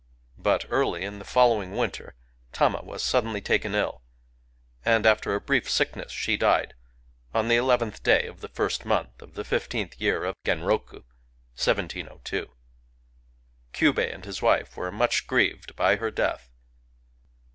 But early in the following winter Tama was suddenly taken ill; and after a brief sickness she died, on the eleventh day of the first month of the fifteenth year of Genroku . Kyubei and his wife were much grieved by her death.